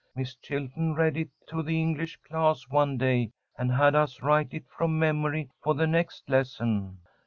Miss Chilton read it to the English class one day, and had us write it from memory for the next lesson."